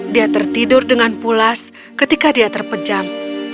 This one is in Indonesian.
dia tertidur dengan pulas ketika dia terpejam